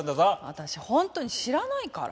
私ホントに知らないから！